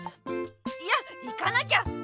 いや行かなきゃ！